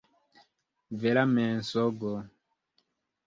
Vera mensogo.